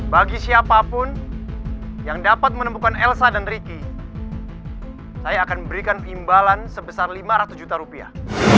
bagi siapapun yang dapat menemukan elsa dan riki saya akan memberikan imbalan sebesar lima ratus juta rupiah